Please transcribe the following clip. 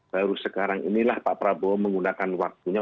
baru sekarang inilah pak prabowo menggunakan waktunya